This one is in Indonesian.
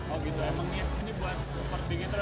oh gitu emang ya sini buat support beachtron